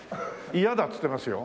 嫌だっつってますよ。